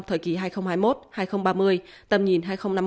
thời kỳ hai nghìn hai mươi một hai nghìn ba mươi tầm nhìn hai nghìn năm mươi